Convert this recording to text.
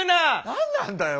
何なんだよ